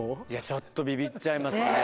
ちょっとビビっちゃいますね。